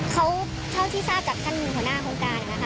เขาเท่าที่ทราบจากท่านหัวหน้าโครงการนะคะ